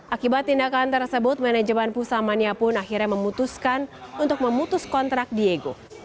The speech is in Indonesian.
akibat tindakan tersebut manajemen pusamania pun akhirnya memutuskan untuk memutus kontrak diego